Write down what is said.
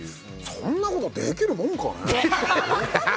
そんなことできるもんかね？